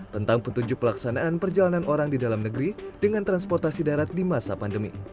tentang petunjuk pelaksanaan perjalanan orang di dalam negeri dengan transportasi darat di masa pandemi